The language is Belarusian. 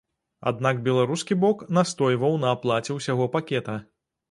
Аднак беларускі бок настойваў на аплаце ўсяго пакета.